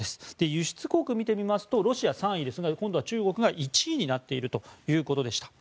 輸出国を見てみますとロシア、３位ですが今度は中国が１位になっているということでした。